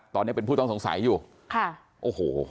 ตอนนี้เป็นผู้ต้องสงสัยอยู่ค่ะโอ้โห